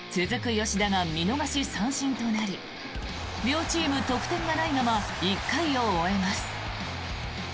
吉田が見逃し三振となり両チーム、得点がないまま１回を終えます。